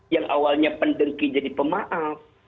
yang awalnya pendengki jadi pemaaf